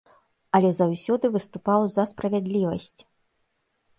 Але заўсёды выступаў за справядлівасць.